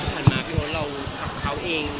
ผ่านมาพี่โอ๊ตเรากับเขาเอง